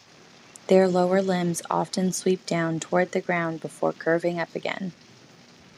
Their lower limbs often sweep down towards the ground before curving up again.